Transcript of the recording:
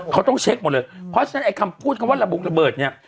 เขาต้องเช็คหมดเลยเพราะฉะนั้นไอ้คำพูดคำว่าระบุระเบิดเนี่ย